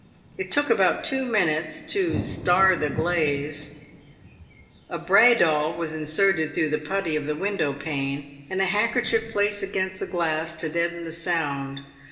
It took about two minutes to " star the glaze." A bradawl was inserted through the putty of the window pane, and a handkerchief placed against the glass to deaden the sound.